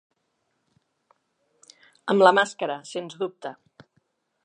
Amb la màscara, sens dubte.